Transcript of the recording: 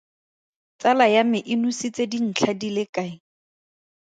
Tsala ya me e nositse dintlha di le kae?